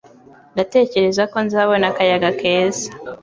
Ndatekereza ko nzabona akayaga keza.